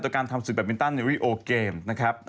การทำสิทธิ์แบบเป็นตั้งวิโอเกมนะครับ